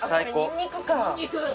ニンニクか。